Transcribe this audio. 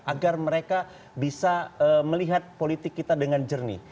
agar mereka bisa melihat politik kita dengan jernih